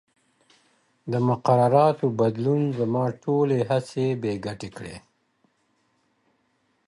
د مقرراتو بدلون زما ټولې هڅې بې ګټې کړې.